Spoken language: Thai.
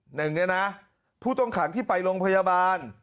หนึ่งเนี่ยนะผู้ต้องขังที่ไปโรงพยาบาล